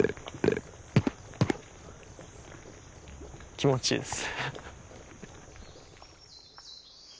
気持ちいいです。